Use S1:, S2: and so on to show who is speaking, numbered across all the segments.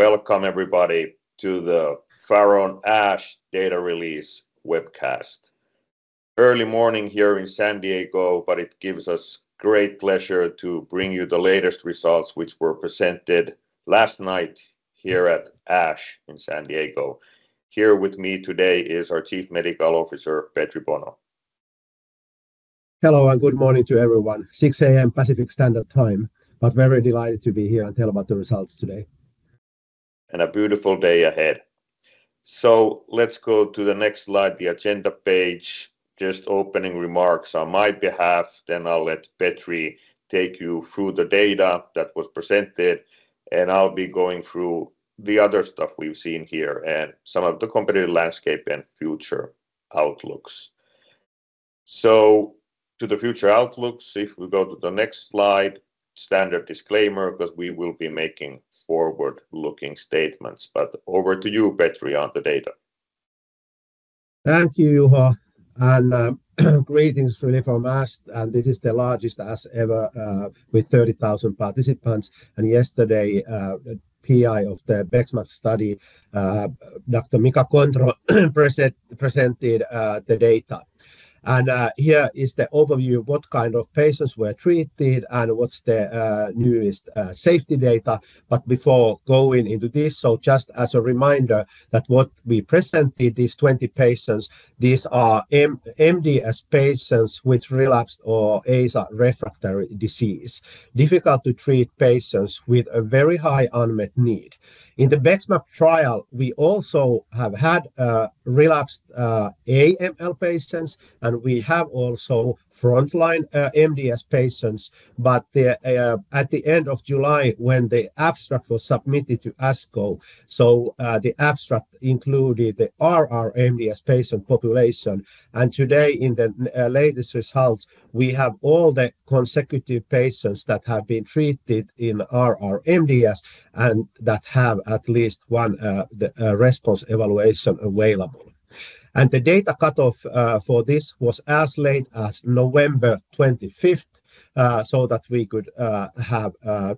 S1: Welcome, everybody, to the Faron ASH Data Release webcast. Early morning here in San Diego, but it gives us great pleasure to bring you the latest results, which were presented last night here at ASH in San Diego. Here with me today is our Chief Medical Officer, Petri Bono.
S2: Hello, and good morning to everyone. 6:00 A.M. Pacific Standard Time, but very delighted to be here and tell about the results today.
S1: And a beautiful day ahead. So let's go to the next slide, the agenda page. Just opening remarks on my behalf, then I'll let Petri take you through the data that was presented, and I'll be going through the other stuff we've seen here and some of the competitive landscape and future outlooks. So to the future outlooks, if we go to the next slide, standard disclaimer, because we will be making forward-looking statements, but over to you, Petri, on the data.
S2: Thank you, Juho. Greetings from us, and this is the largest as ever with 30,000 participants. Yesterday, the PI of the BEXMAB study, Dr. Mika Kontro, presented the data. Here is the overview of what kind of patients were treated and what's the newest safety data. Before going into this, just as a reminder that what we presented these 20 patients, these are MDS patients with relapsed or Aza refractory disease, difficult-to-treat patients with a very high unmet need. In the BEXMAB trial, we also have had relapsed AML patients, and we have also frontline MDS patients, but at the end of July, when the abstract was submitted to ASCO, the abstract included the r/r MDS patient population. Today, in the latest results, we have all the consecutive patients that have been treated in r/r MDS and that have at least one response evaluation available. The data cut-off for this was as late as November 25th, so that we could have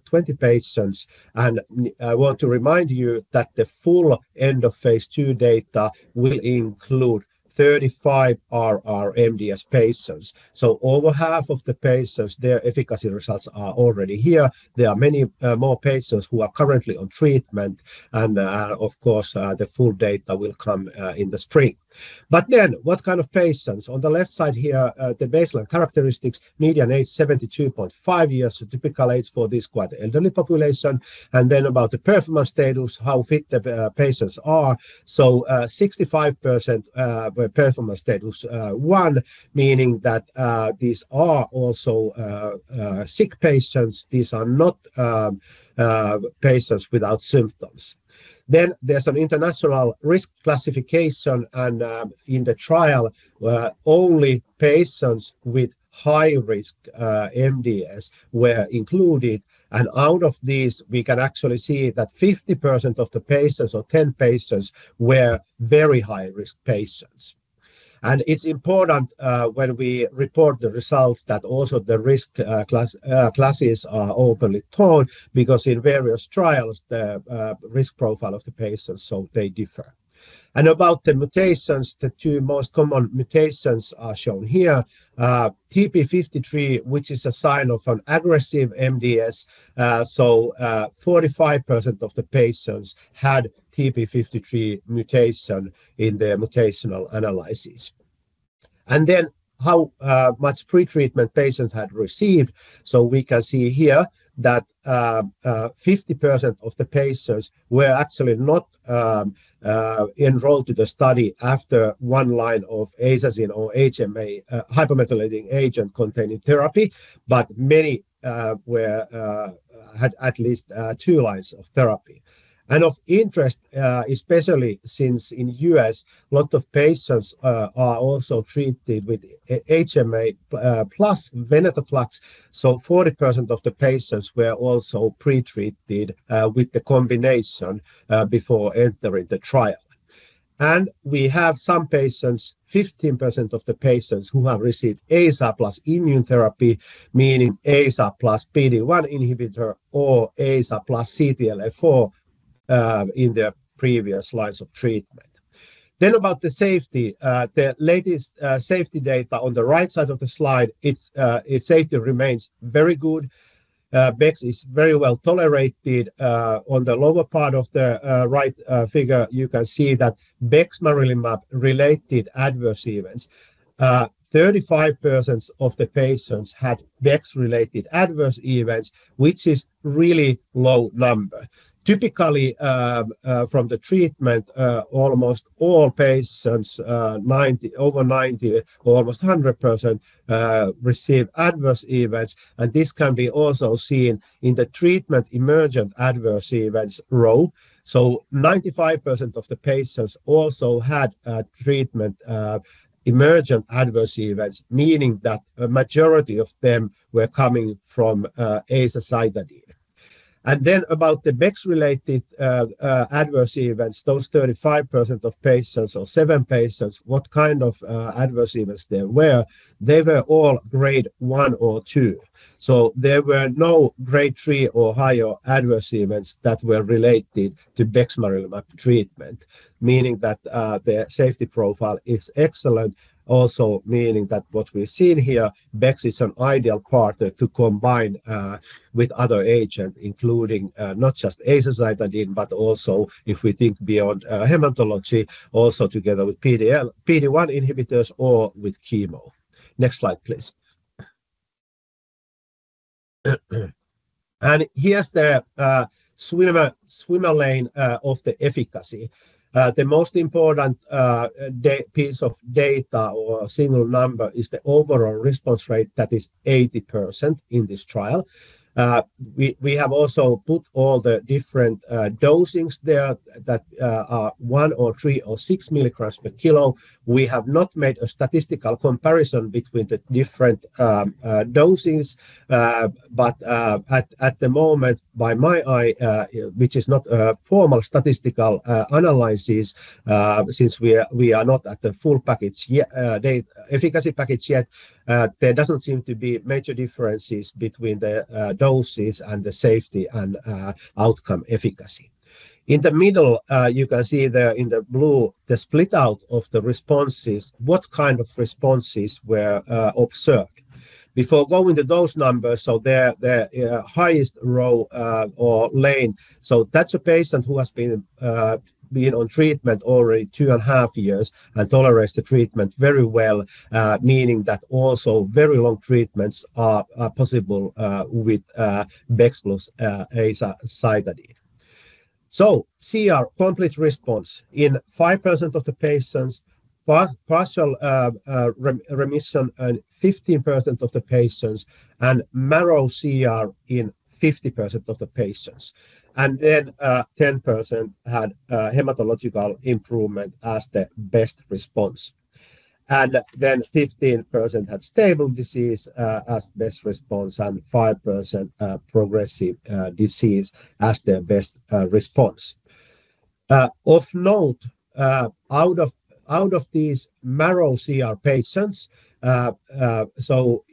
S2: 20 patients. I want to remind you that the full end-of-phase II data will include 35 r/r MDS patients. Over half of the patients, their efficacy results are already here. There are many more patients who are currently on treatment, and of course, the full data will come in the spring. Then, what kind of patients? On the left side here, the baseline characteristics, median age 72.5 years, so typical age for this quite elderly population. Then about the performance status, how fit the patients are. 65% were performance status one, meaning that these are also sick patients. These are not patients without symptoms. Then there's an international risk classification, and in the trial, only patients with high-risk MDS were included. And out of these, we can actually see that 50% of the patients, or 10 patients, were very high-risk patients. And it's important when we report the results that also the risk classes are openly told, because in various trials, the risk profile of the patients, so they differ. And about the mutations, the two most common mutations are shown here. TP53, which is a sign of an aggressive MDS, so 45% of the patients had TP53 mutation in their mutational analysis. And then how much pretreatment patients had received. So we can see here that 50% of the patients were actually not enrolled in the study after one line of azacitidine or HMA hypomethylating agent-containing therapy, but many had at least two lines of therapy. Of interest, especially since in the U.S., a lot of patients are also treated with HMA plus venetoclax, so 40% of the patients were also pretreated with the combination before entering the trial. We have some patients, 15% of the patients, who have received Aza plus immune therapy, meaning Aza plus PD-1 inhibitor or Aza plus CTLA-4 in the previous lines of treatment. Then, about the safety, the latest safety data on the right side of the slide. Its safety remains very good. BEX is very well tolerated. On the lower part of the right figure, you can see that BEXMAB-related adverse events. 35% of the patients had BEX-related adverse events, which is a really low number. Typically, from the treatment, almost all patients, over 90%, almost 100%, receive adverse events, and this can be also seen in the treatment-emergent adverse events row. So 95% of the patients also had treatment emergent adverse events, meaning that a majority of them were coming from azacitidine. And then about the BEX-related adverse events, those 35% of patients, or seven patients, what kind of adverse events there were, they were all grade one or two. So there were no grade three or higher adverse events that were related to BEXMAB treatment, meaning that the safety profile is excellent. Also meaning that what we've seen here, BEX is an ideal partner to combine with other agents, including not just azacitidine, but also if we think beyond hematology, also together with PD-1 inhibitors or with chemo. Next slide, please. And here's the swimmer lane of the efficacy. The most important piece of data or single number is the overall response rate that is 80% in this trial. We have also put all the different dosings there that are one or three or six milligrams per kilo. We have not made a statistical comparison between the different doses, but at the moment, by my eye, which is not a formal statistical analysis, since we are not at the full package efficacy package yet, there doesn't seem to be major differences between the doses and the safety and outcome efficacy. In the middle, you can see there in the blue, the split out of the responses, what kind of responses were observed. Before going to those numbers, so the highest row or lane, so that's a patient who has been on treatment already two and a half years and tolerates the treatment very well, meaning that also very long treatments are possible with bex plus azacitidine. So CR, complete response in 5% of the patients, partial remission in 15% of the patients, and marrow CR in 50% of the patients. And then 10% had hematological improvement as the best response. And then 15% had stable disease as best response and 5% progressive disease as their best response. Of note, out of these marrow CR patients, so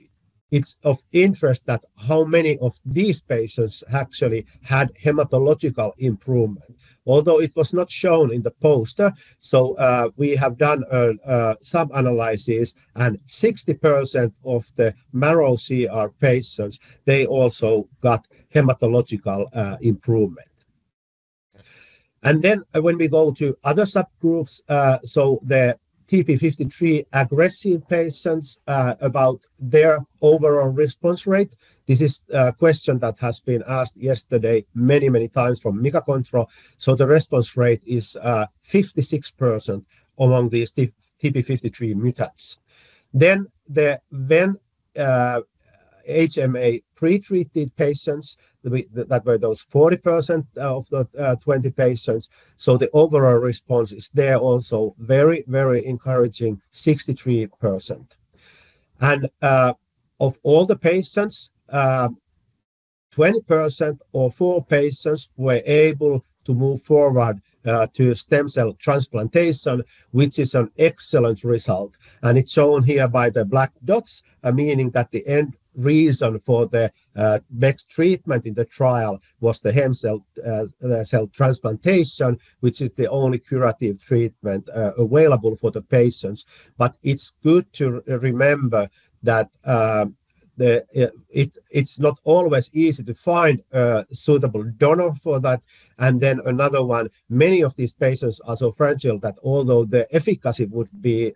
S2: it's of interest that how many of these patients actually had hematological improvement, although it was not shown in the poster. So we have done some analysis, and 60% of the marrow CR patients, they also got hematological improvement. And then when we go to other subgroups, so the TP53 aggressive patients, about their overall response rate, this is a question that has been asked yesterday many, many times from Mika Kontro. So the response rate is 56% among these TP53 mutants. Then the HMA pretreated patients, that were those 40% of the 20 patients, so the overall response is there also very, very encouraging, 63%. And of all the patients, 20% or four patients were able to move forward to stem cell transplantation, which is an excellent result. And it's shown here by the black dots, meaning that the end reason for the BEX treatment in the trial was the stem cell transplantation, which is the only curative treatment available for the patients. But it's good to remember that it's not always easy to find a suitable donor for that. And then another one, many of these patients are so fragile that although the efficacy would be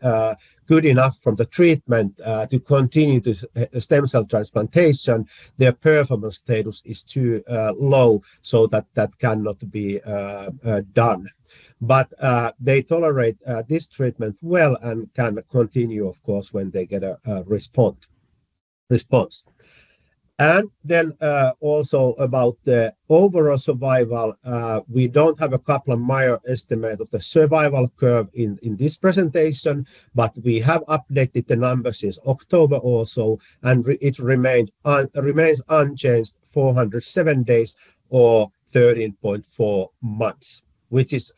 S2: good enough from the treatment to continue to stem cell transplantation, their performance status is too low, so that that cannot be done. But they tolerate this treatment well and can continue, of course, when they get a response. And then also about the overall survival, we don't have a couple of major estimates of the survival curve in this presentation, but we have updated the numbers since October also, and it remains unchanged, 407 days or 13.4 months, which is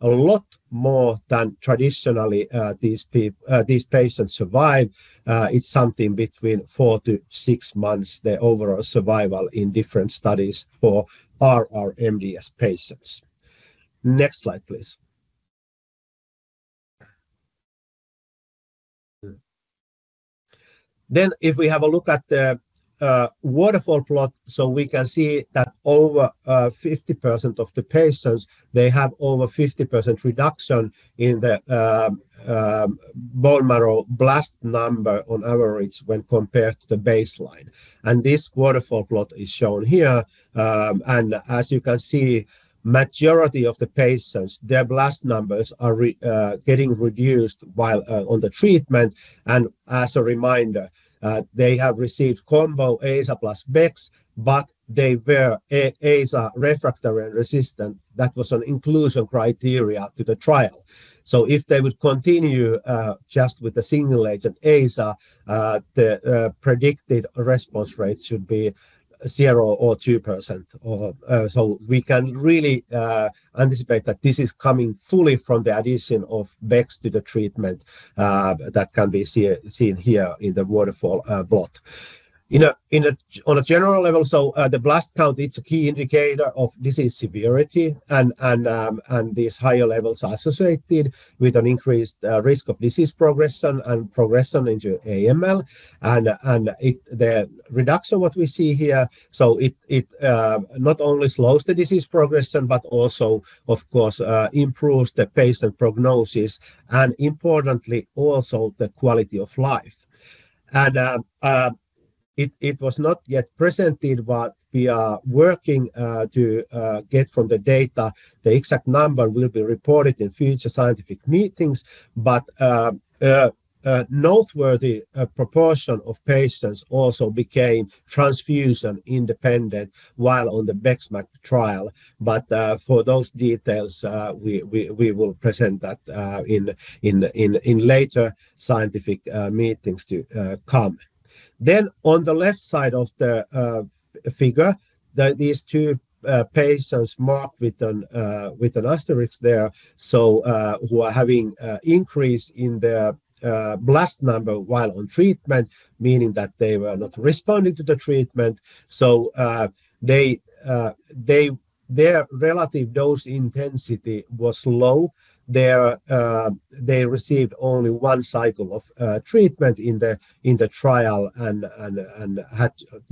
S2: a lot more than traditionally these patients survive. It's something between four to six months, the overall survival in different studies for r/r MDS patients. Next slide, please. Then if we have a look at the waterfall plot, so we can see that over 50% of the patients, they have over 50% reduction in the bone marrow blast number on average when compared to the baseline. And this waterfall plot is shown here. And as you can see, majority of the patients, their blast numbers are getting reduced while on the treatment. As a reminder, they have received combo Aza plus BEX, but they were Aza refractory and resistant. That was an inclusion criteria to the trial. If they would continue just with the single agent Aza, the predicted response rate should be 0 or 2%. We can really anticipate that this is coming fully from the addition of BEX to the treatment that can be seen here in the waterfall plot. On a general level, the blast count, it's a key indicator of disease severity, and these higher levels are associated with an increased risk of disease progression and progression into AML. The reduction what we see here, it not only slows the disease progression, but also, of course, improves the patient prognosis and importantly, also the quality of life. It was not yet presented, but we are working to get from the data. The exact number will be reported in future scientific meetings, but a noteworthy proportion of patients also became transfusion independent while on the BEXMAB trial, but for those details, we will present that in later scientific meetings to come. Next slide, please. Then, on the left side of the figure, these two patients marked with an asterisk there, so who are having an increase in their blast number while on treatment, meaning that they were not responding to the treatment, so their relative dose intensity was low. They received only one cycle of treatment in the trial and,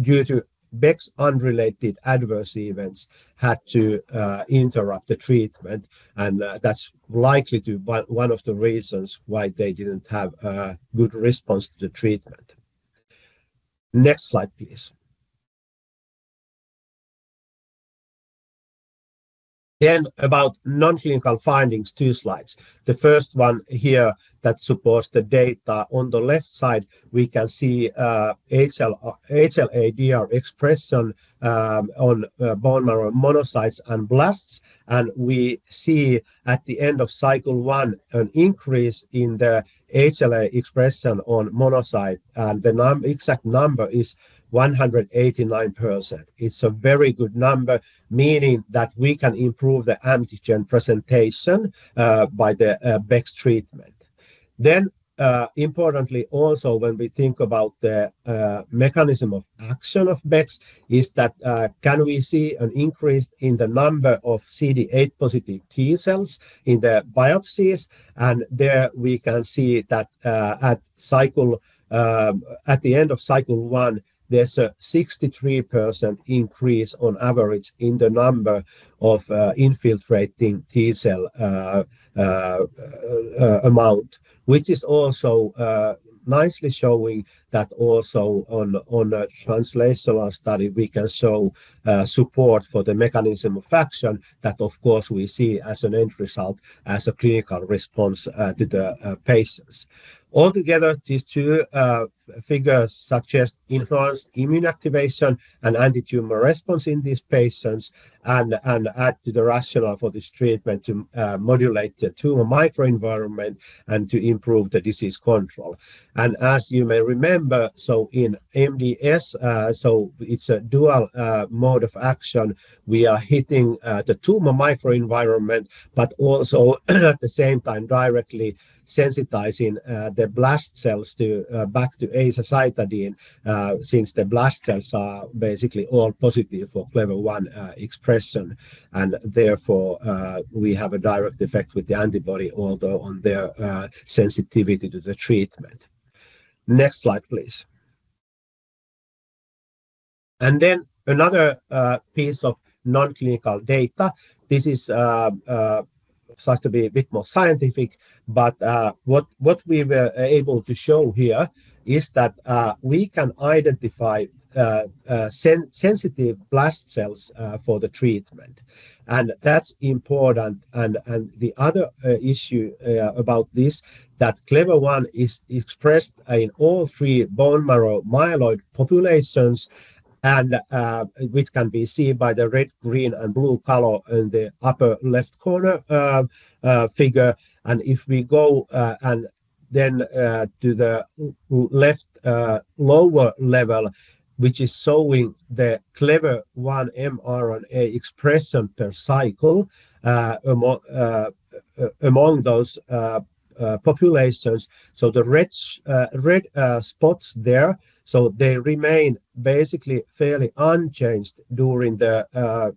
S2: due to BEX-unrelated adverse events, had to interrupt the treatment, and that's likely to be one of the reasons why they didn't have a good response to the treatment. Next slide, please. Then, about nonclinical findings, two slides. The first one here that supports the data on the left side, we can see HLA-DR expression on bone marrow monocytes and blasts, and we see at the end of cycle one, an increase in the HLA expression on monocytes, and the exact number is 189%. It's a very good number, meaning that we can improve the antigen presentation by the BEX treatment, then importantly also, when we think about the mechanism of action of BEX, is that can we see an increase in the number of CD8-positive T cells in the biopsies? There we can see that at the end of cycle one, there's a 63% increase on average in the number of infiltrating T cell amount, which is also nicely showing that also on a translational study, we can show support for the mechanism of action that, of course, we see as an end result, as a clinical response to the patients. Altogether, these two figures suggest influenced immune activation and anti-tumor response in these patients and add to the rationale for this treatment to modulate the tumor microenvironment and to improve the disease control. And as you may remember, so in MDS, so it's a dual mode of action. We are hitting the tumor microenvironment, but also at the same time directly sensitizing the blast cells back to azacitidine since the blast cells are basically all positive for Clever-1 expression. Therefore, we have a direct effect with the antibody, although on their sensitivity to the treatment. Next slide, please. Then another piece of nonclinical data. This is supposed to be a bit more scientific, but what we were able to show here is that we can identify sensitive blast cells for the treatment. That's important. The other issue about this, that Clever-1 is expressed in all three bone marrow myeloid populations, which can be seen by the red, green, and blue color in the upper left corner figure. If we go then to the left lower level, which is showing the Clever-1 mRNA expression per cycle among those populations, so the red spots there, so they remain basically fairly unchanged during the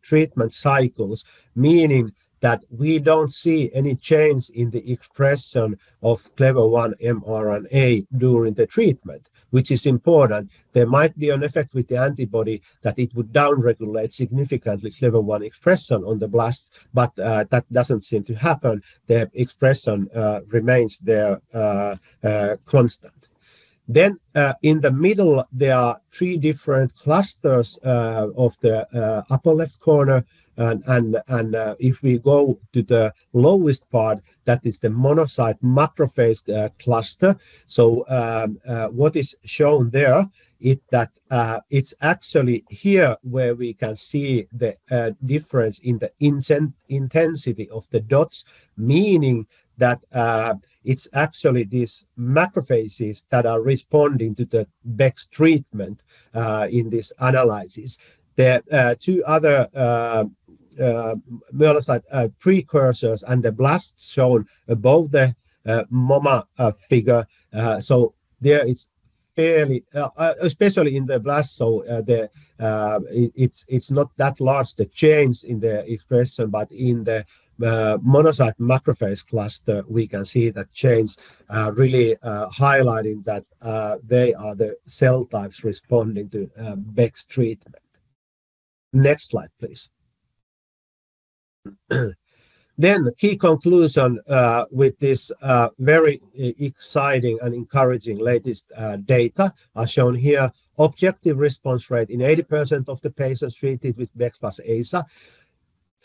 S2: treatment cycles, meaning that we don't see any change in the expression of Clever-1 mRNA during the treatment, which is important. There might be an effect with the antibody that it would downregulate significantly Clever-1 expression on the blast, but that doesn't seem to happen. The expression remains there constant. In the middle, there are three different clusters of the upper left corner. If we go to the lowest part, that is the monocyte macrophage cluster. So what is shown there is that it's actually here where we can see the difference in the intensity of the dots, meaning that it's actually these macrophages that are responding to the BEX treatment in this analysis. The two other precursors and the blasts shown above the MOMA figure, so there is fairly, especially in the blast, so it's not that large the change in the expression, but in the monocyte macrophage cluster, we can see that change really highlighting that they are the cell types responding to BEX treatment. Next slide, please. Then key conclusion with this very exciting and encouraging latest data are shown here. Objective response rate in 80% of the patients treated with BEX plus Aza.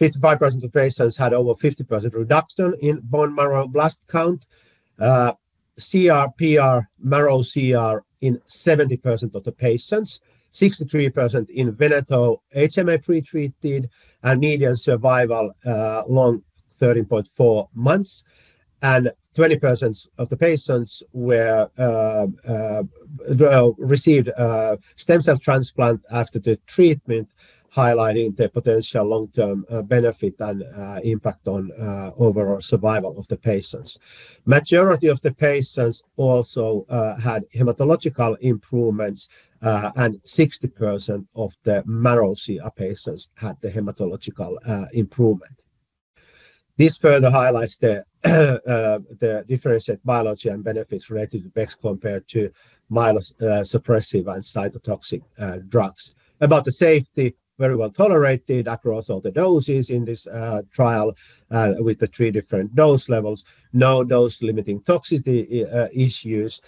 S2: 55% of the patients had over 50% reduction in bone marrow blast count. PR, marrow CR in 70% of the patients, 63% in veneto HMA pretreated, and median survival long 13.4 months. 20% of the patients received stem cell transplant after the treatment, highlighting the potential long-term benefit and impact on overall survival of the patients. Majority of the patients also had hematological improvements, and 60% of the marrow CR patients had the hematological improvement. This further highlights the difference in biology and benefits related to BEX compared to myelosuppressive and cytotoxic drugs. About the safety, very well tolerated across all the doses in this trial with the three different dose levels. No dose-limiting toxicity issues.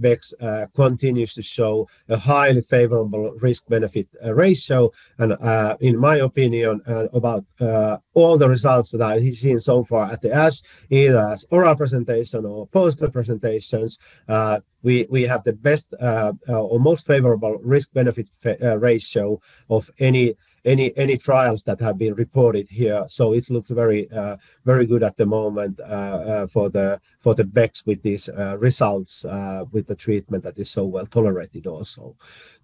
S2: BEX continues to show a highly favorable risk-benefit ratio. In my opinion, about all the results that I have seen so far at the either as oral presentation or poster presentations, we have the best or most favorable risk-benefit ratio of any trials that have been reported here. So it looks very good at the moment for the BEX with these results with the treatment that is so well tolerated also.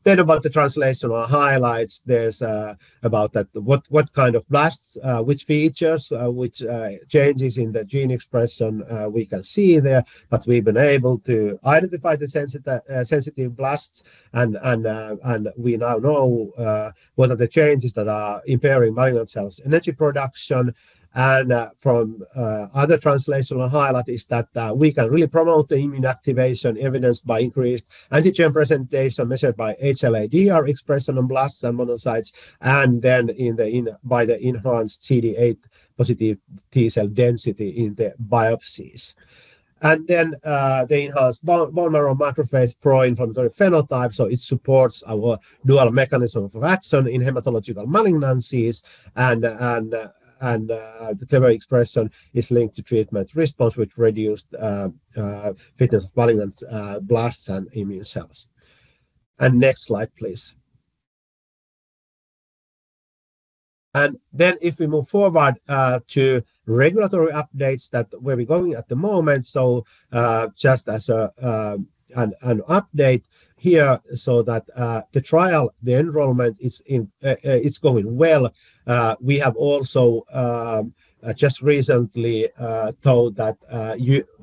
S2: Then about the translational highlights, there's about what kind of blasts, which features, which changes in the gene expression we can see there. But we've been able to identify the sensitive blasts, and we now know what are the changes that are impairing malignant cells' energy production. And another translational highlight is that we can really promote the immune activation evidenced by increased antigen presentation measured by HLA-DR expression on blasts and monocytes, and then by the enhanced CD8-positive T cell density in the biopsies. Then the enhanced bone marrow macrophage pro-inflammatory phenotype, so it supports our dual mechanism of action in hematological malignancies. The Clever-1 expression is linked to treatment response, which reduced fitness of malignant blasts and immune cells. Next slide, please. Then if we move forward to regulatory updates, that's where we're going at the moment, so just as an update here, so the trial enrollment is going well. We have also just recently been told that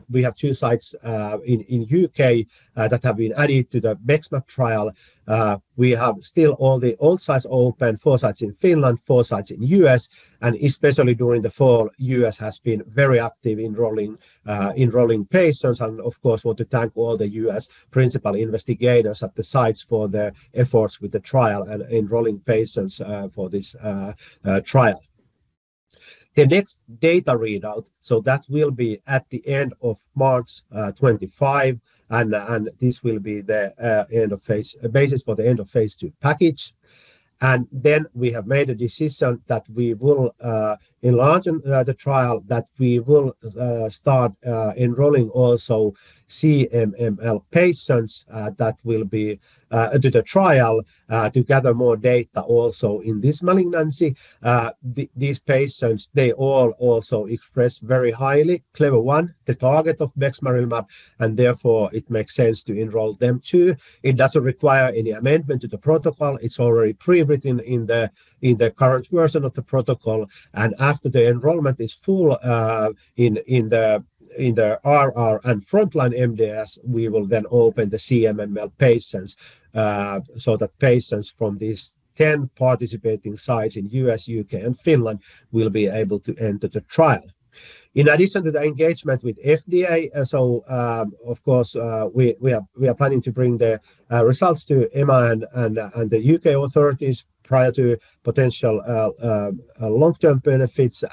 S2: we have two sites in the U.K. that have been added to the BEXMAB trial. We still have all the old sites open, four sites in Finland, four sites in the U.S. Especially during the fall, the U.S. has been very active in enrolling patients. Of course, we want to thank all the U.S. principal investigators at the sites for their efforts with the trial and enrolling patients for this trial. The next data readout, so that will be at the end of March 2025. And this will be the basis for the end of phase II package. And then we have made a decision that we will enlarge the trial, that we will start enrolling also CMML patients that will be to the trial to gather more data also in this malignancy. These patients, they all also express very highly Clever-1, the target of bexmarilimab, and therefore it makes sense to enroll them too. It doesn't require any amendment to the protocol. It's already pre-written in the current version of the protocol. After the enrollment is full in the RR and frontline MDS, we will then open the CMML patients so that patients from these 10 participating sites in the U.S., U.K., and Finland will be able to enter the trial. In addition to the engagement with FDA, so of course, we are planning to bring the results to EMA and the U.K. authorities prior to potential long-term benefits.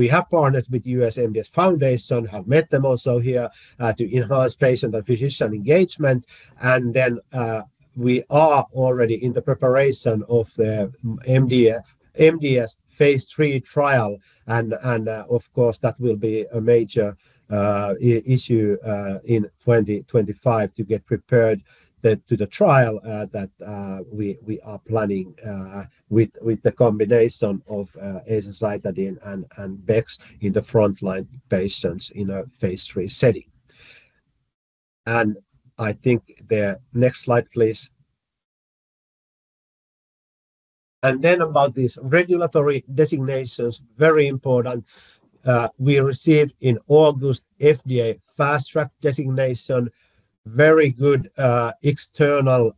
S2: We have partnered with the MDS Foundation, have met them also here to enhance patient and physician engagement. We are already in the preparation of the MDS phase III trial. Of course, that will be a major issue in 2025 to get prepared to the trial that we are planning with the combination of azacitidine and BEX in the frontline patients in a phase III setting. I think the next slide, please. And then about these regulatory designations, very important. We received in August FDA Fast Track designation, very good external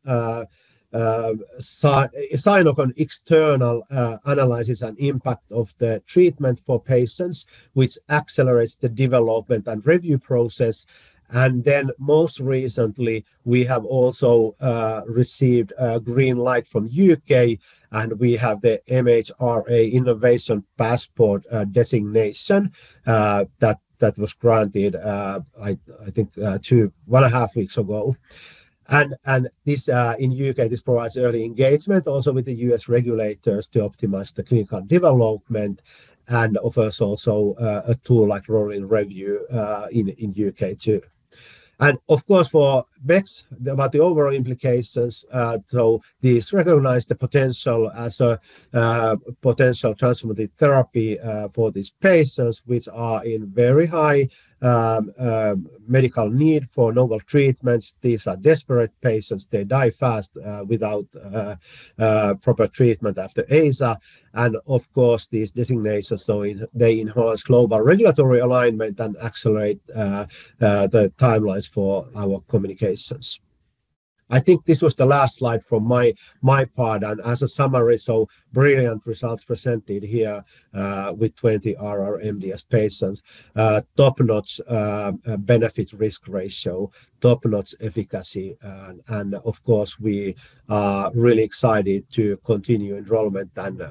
S2: sign-off on external analysis and impact of the treatment for patients, which accelerates the development and review process. And then most recently, we have also received a green light from the U.K., and we have the MHRA Innovation Passport designation that was granted, I think, one and a half weeks ago. And in the U.K., this provides early engagement also with the U.S. regulators to optimize the clinical development and offers also a tool like rolling review in the U.K. too. And of course, for BEX, about the overall implications, so these recognize the potential as a potential transformative therapy for these patients, which are in very high medical need for novel treatments. These are desperate patients. They die fast without proper treatment after Aza. Of course, these designations, so they enhance global regulatory alignment and accelerate the timelines for our communications. I think this was the last slide from my part. As a summary, so brilliant results presented here with 20 r/r MDS patients, top-notch benefit risk ratio, top-notch efficacy. Of course, we are really excited to continue enrollment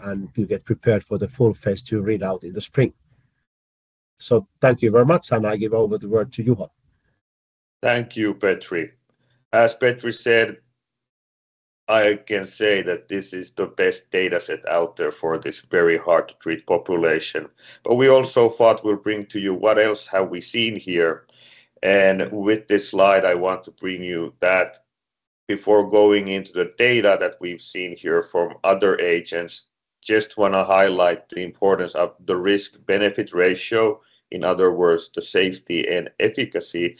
S2: and to get prepared for the full phase II readout in the spring. Thank you very much, and I give over the word to Juho. Thank you, Petri. As Petri said, I can say that this is the best dataset out there for this very hard-to-treat population, but we also thought we'll bring to you what else have we seen here.
S1: And with this slide, I want to bring you that before going into the data that we've seen here from other agents, just want to highlight the importance of the risk-benefit ratio. In other words, the safety and efficacy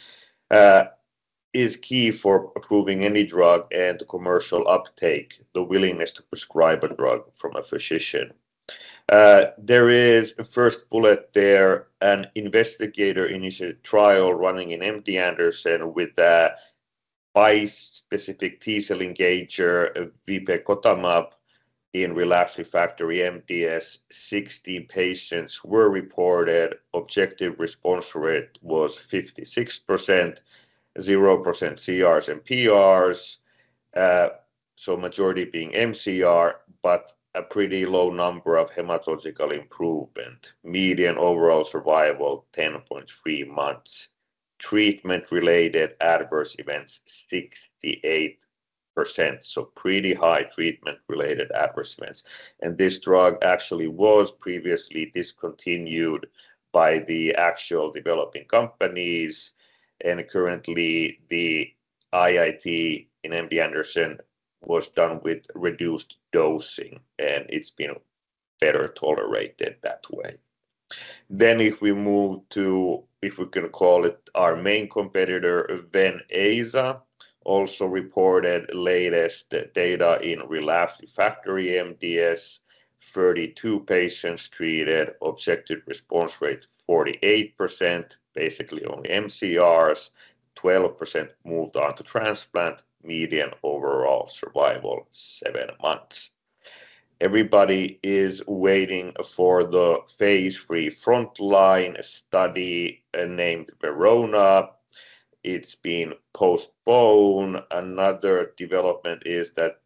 S1: is key for approving any drug and commercial uptake, the willingness to prescribe a drug from a physician. There is a first bullet there, an investigator-initiated trial running in MD Anderson with a bispecific T cell engager, vibecotamab, in relapsed refractory MDS. 16 patients were reported. Objective response rate was 56%, 0% CRs and PRs, so majority being mCR, but a pretty low number of hematological improvement. Median overall survival, 10.3 months. Treatment-related adverse events, 68%, so pretty high treatment-related adverse events. And this drug actually was previously discontinued by the actual developing companies. Currently, the IIT in MD Anderson was done with reduced dosing, and it's been better tolerated that way. Then if we move to, if we can call it our main competitor, then Aza also reported latest data in relapsed/refractory MDS, 32 patients treated, objective response rate 48%, basically only mCRs, 12% moved on to transplant, median overall survival seven months. Everybody is waiting for the phase III frontline study named Verona. It's been postponed. Another development is that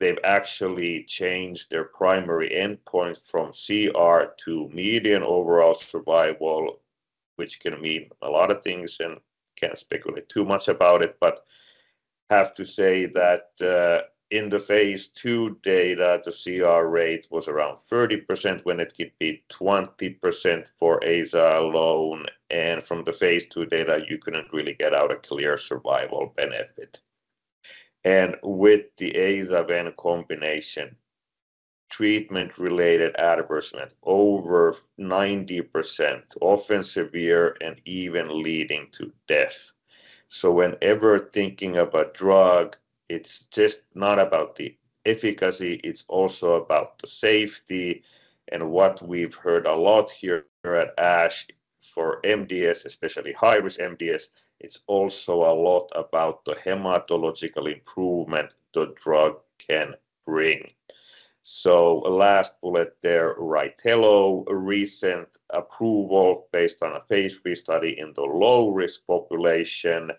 S1: they've actually changed their primary endpoint from CR to median overall survival, which can mean a lot of things and can't speculate too much about it. But have to say that in the phase II data, the CR rate was around 30% when it could be 20% for Aza alone. And from the phase II data, you couldn't really get out a clear survival benefit. With the Aza-Ven combination, treatment-related adverse events over 90%, often severe and even leading to death. So whenever thinking about a drug, it's just not about the efficacy. It's also about the safety. And what we've heard a lot here at ASH for MDS, especially high-risk MDS, it's also a lot about the hematological improvement the drug can bring. So last bullet there, Rytelo. Recent approval based on a phase III study in the low-risk population.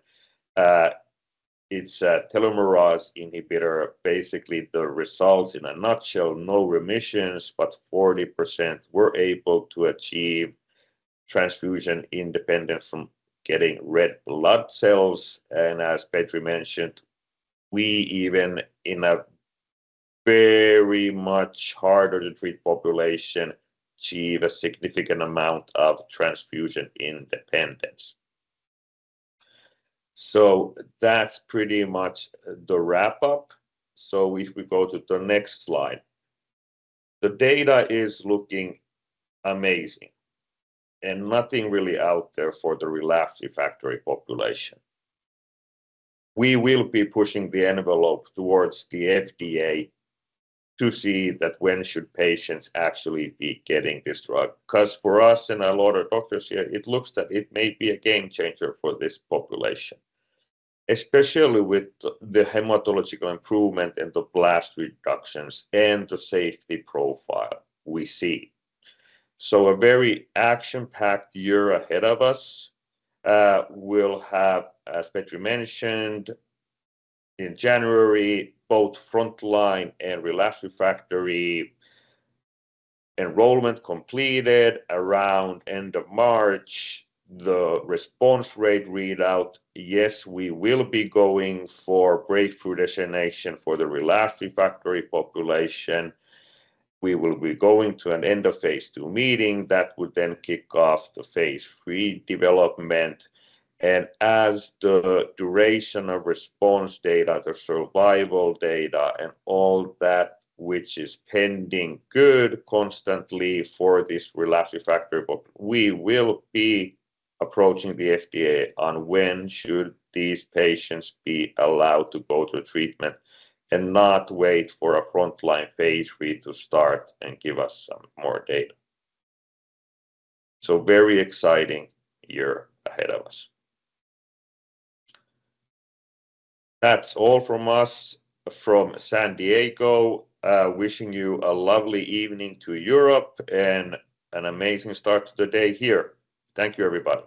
S1: It's a telomerase inhibitor. Basically, the results in a nutshell, no remissions, but 40% were able to achieve transfusion independence from getting red blood cells. And as Petri mentioned, we even in a very much harder-to-treat population achieve a significant amount of transfusion independence. So that's pretty much the wrap-up. So if we go to the next slide, the data is looking amazing. And nothing really out there for the relapsed/refractory population. We will be pushing the envelope towards the FDA to see that when should patients actually be getting this drug. Because for us and a lot of doctors here, it looks that it may be a game changer for this population, especially with the hematological improvement and the blast reductions and the safety profile we see. So a very action-packed year ahead of us. We'll have, as Petri mentioned, in January, both frontline and relapsed refractory enrollment completed around the end of March. The response rate readout, yes, we will be going for breakthrough designation for the relapsed refractory population. We will be going to an end of phase II meeting that would then kick off the phase III development. As the duration of response data, the survival data, and all that, which is looking good constantly for this relapsed/refractory population, we will be approaching the FDA on when should these patients be allowed to go to treatment and not wait for a frontline phase III to start and give us some more data. Very exciting year ahead of us. That's all from us from San Diego. Wishing you a lovely evening to Europe and an amazing start to the day here. Thank you, everybody.